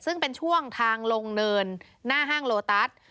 ซึ่งเป็นช่วงทางลงเนินหน้าห้างโลตัส